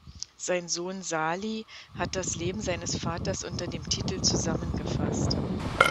Sein Sohn Salih hat das Leben seines Vaters unter dem Titel zusammengefasst.